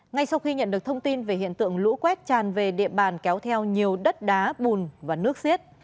ngay sau khi nhận được thông tin về hiện tượng lũ quét tràn về địa bàn kéo theo nhiều đất đá bùn và nước xiết